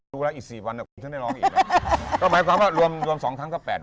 ถูกต้องเทปตอนนี้ก็มีนักร้องใหม่